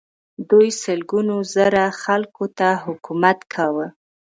دوی سلګونه زره خلکو ته حکومت کاوه.